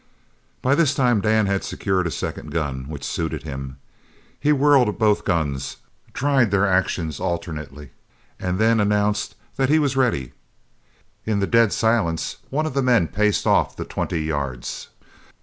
By this time Dan had secured a second gun which suited him. He whirled both guns, tried their actions alternately, and then announced that he was ready. In the dead silence, one of the men paced off the twenty yards.